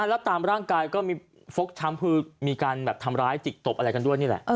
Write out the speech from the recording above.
แล้วตามร่างกายก็มีฟกช้ำคือมีการแบบทำร้ายจิกตบอะไรกันด้วยนี่แหละ